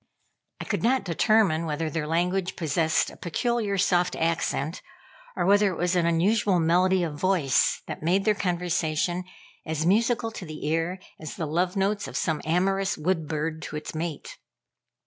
I could not determine whether their language possessed a peculiarly soft accent, or whether it was an unusual melody of voice that made their conversation as musical to the ear as the love notes of some amorous wood bird to its mate.